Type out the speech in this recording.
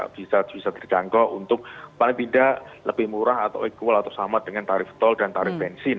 bisa terjangkau untuk paling tidak lebih murah atau equal atau sama dengan tarif tol dan tarif bensin